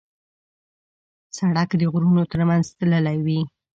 سړک د غرونو تر منځ تللی وي.